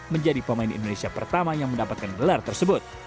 menjadi pemain indonesia pertama yang mendapatkan gelar tersebut